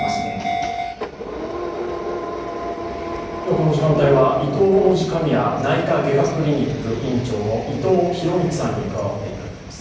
この時間帯は、いとう王子神谷内科外科クリニック院長の伊藤博道さんに加わっていただきます。